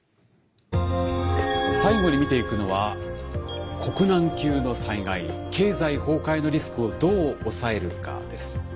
最後に見ていくのは国難級の災害経済崩壊のリスクをどう抑えるかです。